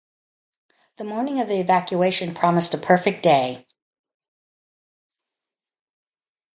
The morning of the evacuation promised a perfect day.